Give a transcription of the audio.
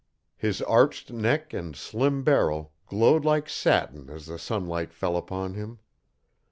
His arched neck and slim barrel glowed like satin as the sunlight fell upon him.